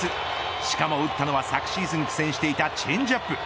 しかも打ったのは昨シーズン苦戦していたチェンジアップ。